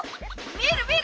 見る見る！